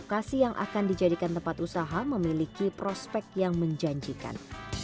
lokasi yang akan dijadikan tempat usaha memiliki prospek yang menjanjikan